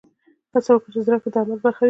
هڅه وکړه چې زده کړه د عمل برخه وي.